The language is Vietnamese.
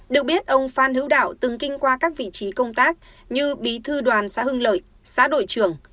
được biết ông phan hữu đạo từng kinh qua các vị trí công tác như bí thư đoàn xã hưng lợi xã đội trưởng